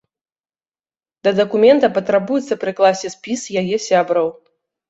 Да дакумента патрабуецца прыкласці спіс яе сябраў.